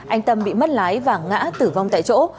anh tâm bị mất lái và ngã tử vong tại chỗ